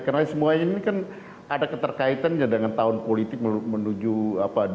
karena semua ini kan ada keterkaitannya dengan tahun politik menuju dua ribu dua puluh empat ini gitu